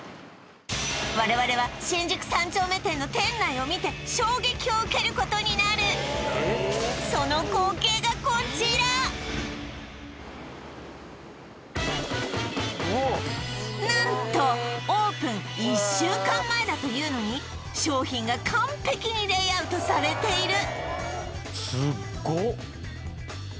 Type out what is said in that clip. われわれは新宿三丁目店の店内を見て衝撃を受けることになる何とオープン１週間前だというのに商品が完璧にレイアウトされている